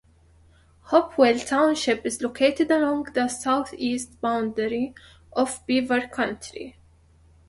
Hopewell Township is located along the southeast boundary of Beaver County.